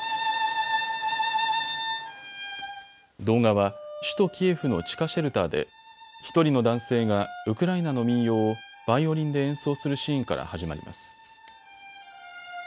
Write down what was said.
動画は首都キエフの地下シェルターで１人の男性がウクライナの民謡をバイオリンで演奏するシーンから始まります。